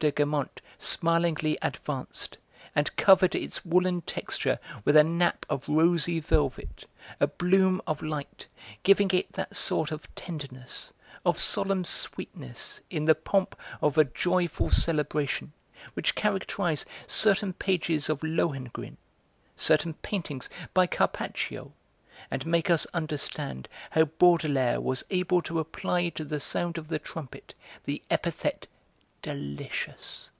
de Guermantes smilingly advanced, and covered its woollen texture with a nap of rosy velvet, a bloom of light, giving it that sort of tenderness, of solemn sweetness in the pomp of a joyful celebration, which characterises certain pages of Lohengrin, certain paintings by Carpaccio, and makes us understand how Baudelaire was able to apply to the sound of the trumpet the epithet 'delicious.'